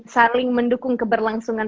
saling mendukung keberlangsungan